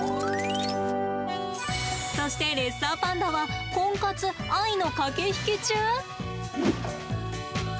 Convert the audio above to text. そしてレッサーパンダはコンカツ、愛の駆け引き中。